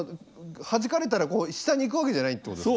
はじかれたら下にいくわけじゃないってことですね。